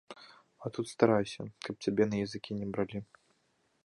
А тут старайся, каб цябе на языкі не бралі.